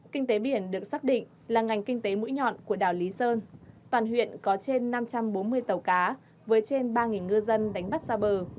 kinh tế biển được xác định là ngành kinh tế mũi nhọn của đảo lý sơn toàn huyện có trên năm trăm bốn mươi tàu cá với trên ba ngư dân đánh bắt xa bờ